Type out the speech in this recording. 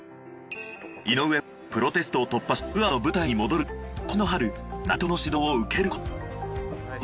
井上はプロテストを突破しツアーの舞台に戻るため今年の春内藤の指導を受けることに。